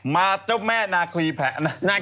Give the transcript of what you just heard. มาเจ้าแม่นาคีแผะ